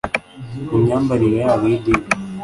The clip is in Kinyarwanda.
Mu myambarire yabo yidini